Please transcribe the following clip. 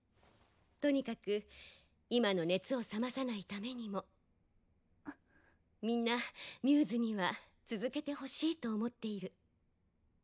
とにかく今の熱を冷まさないためにもみんなμ’ｓには続けてほしいと思っている。